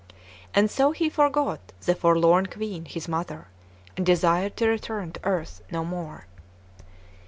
And so he forgot the forlorn Queen, his mother, and desired to return to earth no more.